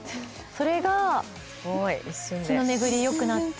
それが血の巡りよくなって・